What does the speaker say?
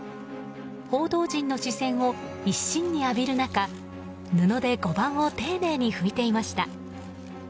報道陣の視線を一身に浴びる中布で碁盤を丁寧に拭いていました。